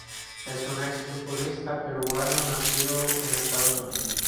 Es un ex futbolista peruano nacido en Estados Unidos.